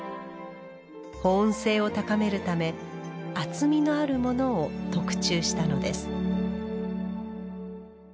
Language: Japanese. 保温性を高めるため厚みのあるものを特注したのです